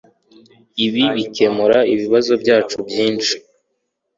Ibi bikemura ibibazo byacu byinshi.